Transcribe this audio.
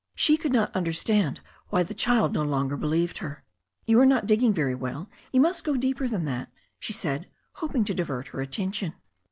She could not understand why the child no longer believed her. You are not digging very well. You must go deeper than that/' she said, hoping to divert her attention.